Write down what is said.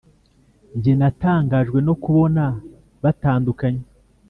njye natangajwe no kubona batandukanye